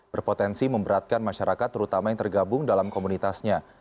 berpotensi memberatkan masyarakat terutama yang tergabung dalam komunitasnya